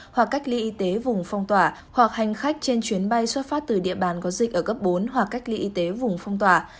hoặc cách ly y tế vùng phong tỏa hoặc hành khách trên chuyến bay xuất phát từ địa bàn có dịch ở cấp bốn hoặc cách ly y tế vùng phong tỏa